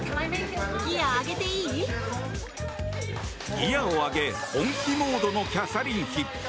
ギアを上げ本気モードのキャサリン妃。